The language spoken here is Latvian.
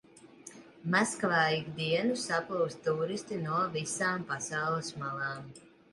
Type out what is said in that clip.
Maskavā ik dienu saplūst tūristi no visām pasaules malām.